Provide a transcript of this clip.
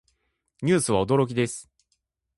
ニュースは驚きです。